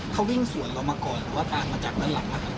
เขาวิ่งสวนเรามาก่อนหรือว่าตามมาจากด้านหลัง